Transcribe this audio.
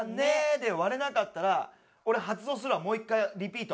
で割れなかったら俺発動するわもう１回リピート。